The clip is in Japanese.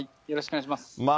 よろしくお願いします。